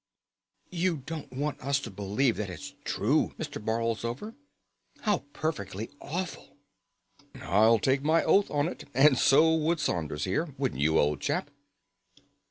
"You don't want us to believe that it's true, Mr. Borlsover? How perfectly awful!" "I'll take my oath on it, and so would Saunders here; wouldn't you, old chap?"